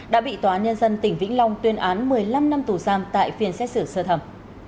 đã bị tòa nhân dân tỉnh vĩnh long tuyên án một mươi năm năm tù giam tại phiên xét xử sơ thẩm